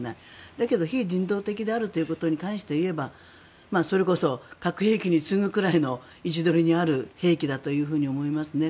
だけど非人道的であるということに関して言えばそれこそ核兵器に次ぐぐらいの位置付けにある兵器だと思いますね。